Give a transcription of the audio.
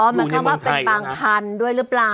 อ๋อมันเข้ามาเป็นพันธุ์พันธุ์ด้วยหรือเปล่า